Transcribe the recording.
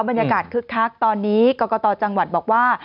บรรยากาศคึกคักตอนนี้กตจังหวัดบอกว่า